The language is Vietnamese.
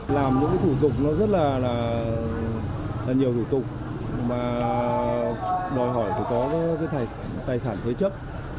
làm những thủ tục rất là nhiều thủ tục mà đòi hỏi có tài sản thuế chấp